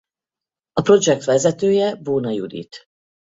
A projekt vezetője Bóna Judit.